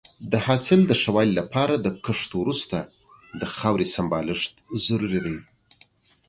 د حاصل د ښه والي لپاره د کښت وروسته د خاورې سمبالښت ضروري دی.